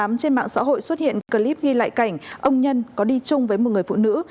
vào chiều ngày hai mươi chín tháng tám trên mạng xã hội xuất hiện clip ghi lại cảnh ông nhân có đi chung với một người phụ nữ